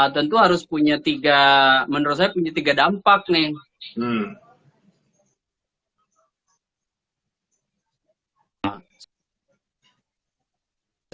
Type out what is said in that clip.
tentu harus punya tiga menurut saya punya tiga dampak nih